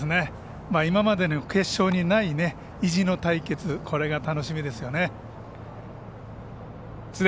今までの決勝にない意地の対決、これが楽しみですね。